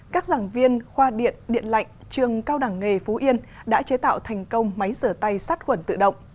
các giảng viên khoa điện điện lạnh trường cao đẳng nghề phú yên đã chế tạo thành công máy rửa tay sát khuẩn tự động